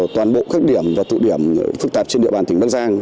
toàn bộ các điểm và tụ điểm phức tạp trên địa bàn tỉnh bắc giang